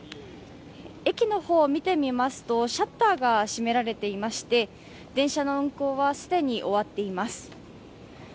駅の方を見てみますとシャッターが閉められていまして、電車の運行は既に終わっています。